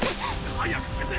早く消せ！